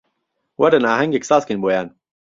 وەرن ئاهەنگێک سازکەین بۆیان